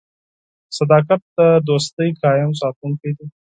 • صداقت د دوستۍ قایم ساتونکی دی.